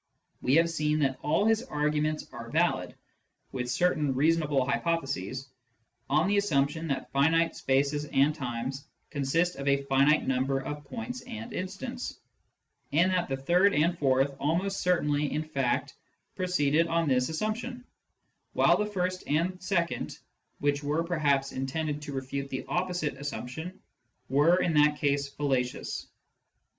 We have seen that all his arguments are valid (with certain reasonable hypotheses) on the assumption that finite spaces and times consist of a finite number of points and instants, and that the third and fourth almost certainly in fact proceeded on this assumption, while the first and second, which were perhaps intended to refute the opposite assumption, were in that case fallacious.